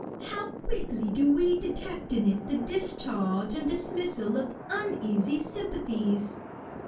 How quickly do we detect in it the discharge and dismissal of uneasy sympathies